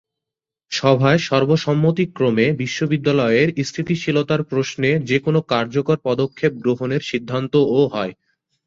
সভায় সর্বসম্মতিক্রমে বিশ্ববিদ্যালয়ের স্থিতিশীলতার প্রশ্নে যেকোনো কার্যকর পদক্ষেপ গ্রহণের সিদ্ধান্তও হয়।